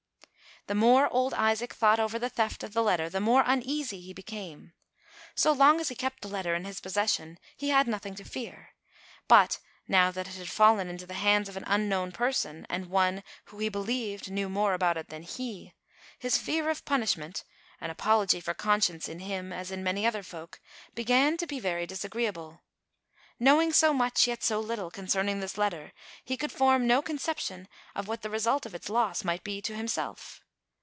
The more old Isaac thought over the theft of the letter, the more uneasy he became. So long as he kept the letter in his possession he had nothing to fear, but, now that it had fallen into the hands of an unknown person, and one who, he believed, knew more about it than he, his fear of punishment (an apology for conscience 'in him, as in many other folk) began to be very 58 ALICE; OR, THE WAGES OF SIN. disagreeable. Knowing so much, yet so little, concerning this letter, he could form no concep tion of what the result of its loss might be to himself.